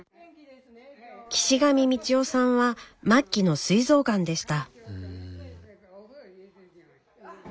岸上道夫さんは末期のすい臓がんでした。